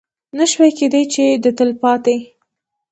نه شوای کېدی چې د تلپاتې